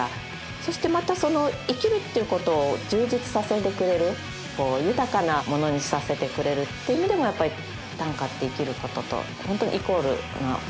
そしてまたその生きるっていうことを充実させてくれる豊かなものにさせてくれるっていう意味でもやっぱり短歌って生きることと本当にイコールなものじゃないかなと思いますね。